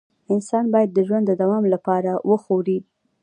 انسان باید د ژوند د دوام لپاره وخوري